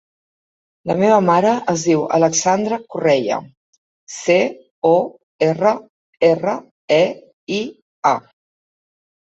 La meva mare es diu Alexandra Correia: ce, o, erra, erra, e, i, a.